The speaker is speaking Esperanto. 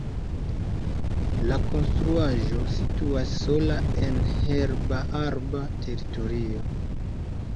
La konstruaĵo situas sola en herba-arba teritorio.